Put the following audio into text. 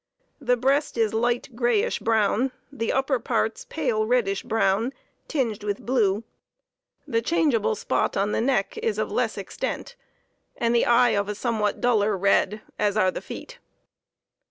The breast is light grayish brown, the upper parts pale reddish brown, tinged with blue. The changeable spot on the neck is of less extent, and the eye of a somewhat duller red, as are the feet.